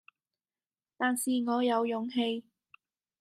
但是我有勇氣，